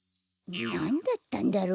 なんだったんだろう？